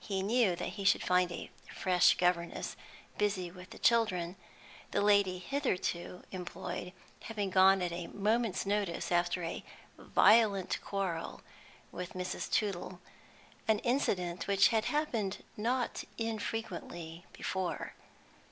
He knew that he should find a fresh governess busy with the children, the lady hitherto employed having gone at a moment's notice after a violent quarrel with Mrs. Tootle, an incident which had happened not infrequently before.